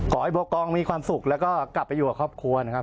ขอให้บัวกองมีความสุขแล้วก็กลับไปอยู่กับครอบครัวนะครับ